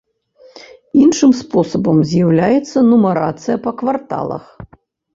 Іншым спосабам з'яўляецца нумарацыя па кварталах.